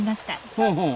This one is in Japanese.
ほうほう。